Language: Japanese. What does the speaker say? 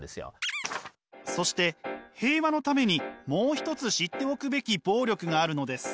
そして平和のためにもう一つ知っておくべき暴力があるのです。